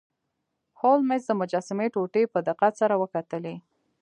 هولمز د مجسمې ټوټې په دقت سره وکتلې.